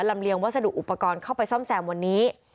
เลียงวัสดุอุปกรณ์เข้าไปซ่อมแซมวันนี้